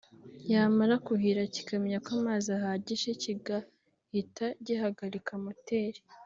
yamara kuhira kikamenya ko amazi ahagije kigahita gihagarika moteri